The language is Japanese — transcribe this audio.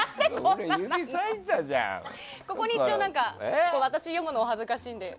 ここに一応、私が読むのは恥ずかしいので。